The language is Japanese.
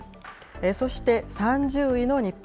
そして３０位の日本。